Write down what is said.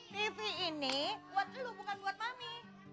tv ini buat dulu bukan buat mami